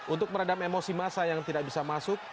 untuk meredam emosi masa yang tidak bisa masuk